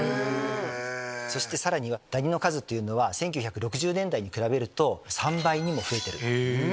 そしてダニの数っていうのは１９６０年代に比べると３倍にも増えてるんですね。